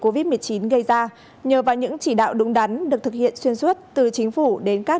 covid một mươi chín gây ra nhờ vào những chỉ đạo đúng đắn được thực hiện xuyên suốt từ chính phủ đến các